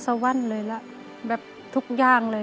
สวรรค์เลยละแบบทุกอย่างเลย